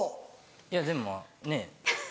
いやでもねぇ。